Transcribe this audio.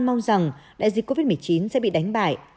mong rằng đại dịch covid một mươi chín sẽ bị đánh bại